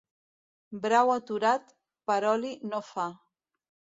Brau aturat, per oli no fa.